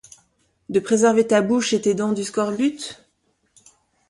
De préserver ta bouche et tes dents du scorbut ?